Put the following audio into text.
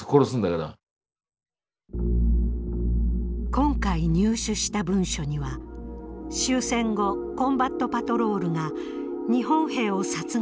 今回入手した文書には終戦後コンバットパトロールが日本兵を殺害した記録も見つかりました。